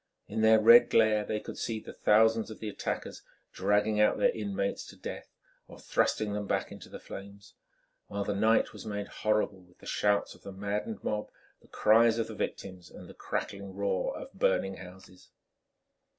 In their red glare they could see the thousands of the attackers dragging out their inmates to death, or thrusting them back into the flames, while the night was made horrible with the shouts of the maddened mob, the cries of the victims and the crackling roar of burning houses.